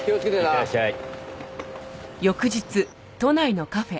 いってらっしゃい。